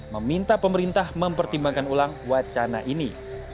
meminta pemerintah mempertimbangkan ulang wacana ini